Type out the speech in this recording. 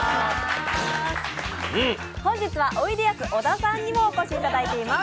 本日はおいでやす小田さんにもお越しいただいています。